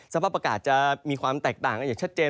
สภาพอากาศจะมีความแตกต่างกันอย่างชัดเจน